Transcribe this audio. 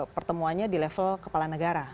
pertemuannya di level kepala negara